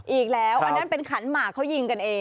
อีกแล้วอันนั้นเป็นขันหมากเขายิงกันเอง